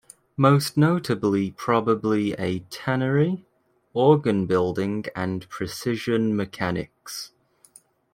Most notably probably a tannery, organ-building and precision mechanics.